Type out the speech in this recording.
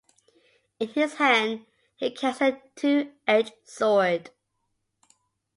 In his hand he carries a two-edged sword.